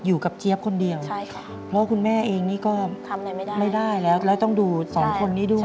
อยู่กับเจ๊อปคนเดียวค่ะเพราะว่าคุณแม่เองนี่ก็ไม่ได้แล้วต้องดูสองคนนี่ด้วย